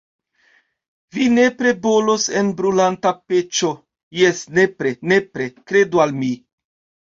Vi nepre bolos en brulanta peĉo, jes, nepre, nepre, kredu al mi!